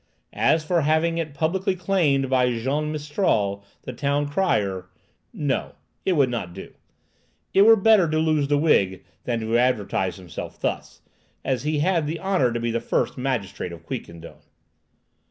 As for having it publicly claimed by Jean Mistrol, the town crier,—no, it would not do. It were better to lose the wig than to advertise himself thus, as he had the honour to be the first magistrate of Quiquendone.